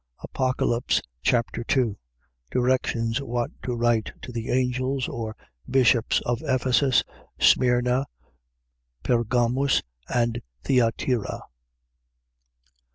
Apocalypse Chapter 2 Directions what to write to the angels or bishops of Ephesus, Smyrna, Pergamus and Thyatira.